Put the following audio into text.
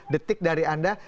sepuluh detik dari anda